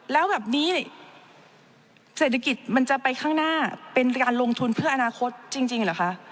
แล้วแบบนี้เศรษฐกิจมันจะไปข้างหน้าเป็นการลงทุนเพื่ออนาคตจริงเหรอคะ